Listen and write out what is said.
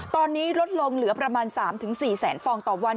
ตอนนี้ลดลงเหลือประมาณ๓๔แสนฟองต่อวัน